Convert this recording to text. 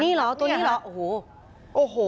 นี่เหรอตัวนี้เหรอโอ้โห